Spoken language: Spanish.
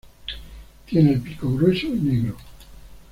Tiene el pico grueso y negro.